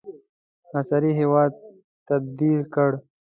عصري هیواد تبدیل کړ.